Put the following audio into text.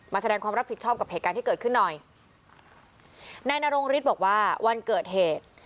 แสดงความรับผิดชอบกับเหตุการณ์ที่เกิดขึ้นหน่อยนายนรงฤทธิ์บอกว่าวันเกิดเหตุ